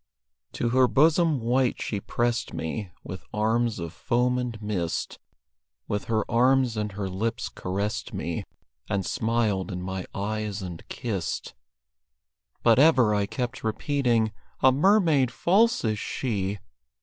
To her bosom white she pressed me With arms of foam and mist; With her arms and her lips caressed me, And smiled in my eyes and kissed. But ever I kept repeating, "A mermaid false is she!"